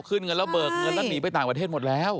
ขึ้นเงินแล้วเบิกเงินแล้วหนีไปต่างประเทศหมดแล้ว